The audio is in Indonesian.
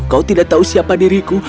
kau tidak tahu siapa diriku